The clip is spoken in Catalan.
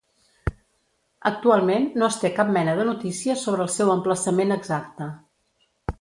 Actualment no es té cap mena de notícia sobre el seu emplaçament exacte.